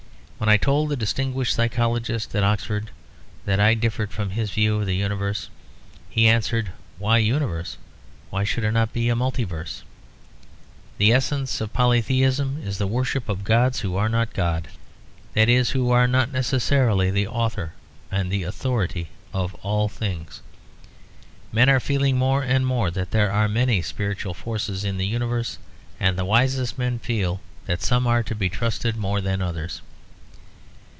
When I told a distinguished psychologist at Oxford that I differed from his view of the universe, he answered, "Why universe? Why should it not be a multiverse?" The essence of polytheism is the worship of gods who are not God; that is, who are not necessarily the author and the authority of all things. Men are feeling more and more that there are many spiritual forces in the universe, and the wisest men feel that some are to be trusted more than others.